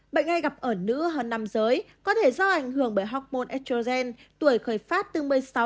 bệnh ngay gặp ở nữ hơn năm giới có thể do ảnh hưởng bởi hormone estrogen tuổi khởi phát từ một mươi sáu năm mươi năm